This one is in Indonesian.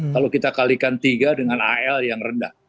kalau kita kalikan tiga dengan al yang rendah